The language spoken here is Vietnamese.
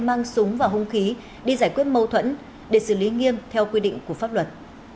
mang súng và hung khí đi giải quyết mâu thuẫn để xử lý nghiêm theo quy định của pháp luật